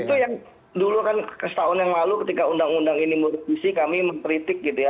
itu yang dulu kan setahun yang lalu ketika undang undang ini merevisi kami mengkritik gitu ya